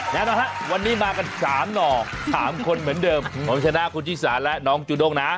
แน่นอนฮะวันนี้มากัน๓หน่อ๓คนเหมือนเดิมผมชนะคุณชิสาและน้องจูด้งนะ